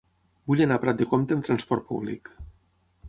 Vull anar a Prat de Comte amb trasport públic.